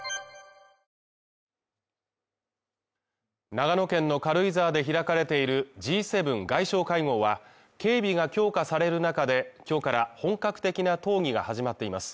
長野県の軽井沢で開かれているＧ７外相会合は警備が強化される中で、今日から本格的な討議が始まっています。